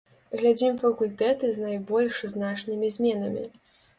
Глядзім факультэты з найбольш значнымі зменамі.